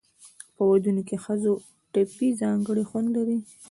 په ودونو کې د ښځو ټپې ځانګړی خوند لري.